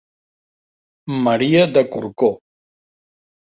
Maria de Corcó.